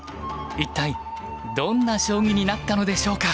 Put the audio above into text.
一体どんな将棋になったのでしょうか！